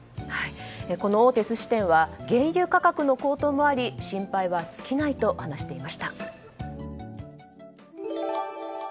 大手寿司店は原油価格の高騰もあり心配は尽きないと話していました。